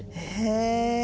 へえ。